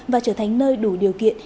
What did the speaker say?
và trở thành nơi đủ điều kiện